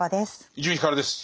伊集院光です。